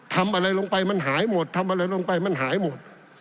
ทำอะไรลงไปมันหายหมดทำอะไรลงไปมันหายหมด